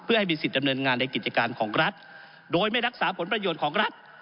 เพื่อให้มีสิทธิ์ดำเนินงานในกิจการของรัฐโดยไม่รักษาผลประโยชน์ของรัฐ